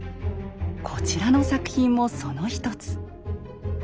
こちらの作品もその一つ。